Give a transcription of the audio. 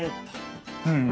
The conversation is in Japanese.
うん。